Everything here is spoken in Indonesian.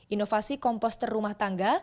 inovasi komposter rumah tangga